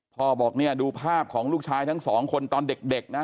พ่อบอกเนี่ยดูภาพของลูกชายทั้งสองคนตอนเด็กนะ